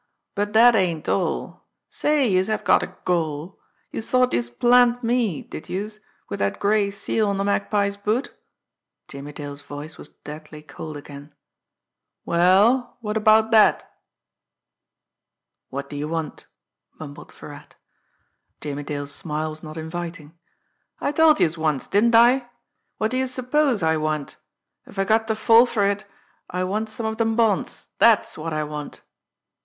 "But dat ain't all. Say, youse have got a gall! Youse thought youse'd plant me, did youse, wid dat gray seal on de Magpie's boot!" Jimmie Dale's voice was deadly cold again. "Well, what about dat?" "What do you want?" mumbled Virat. Jimmie Dale's smile was not inviting. "I told youse once, didn't I? What do youse suppose I want! If I got ter fall fer it, I want some of dem bonds dat's what I want!"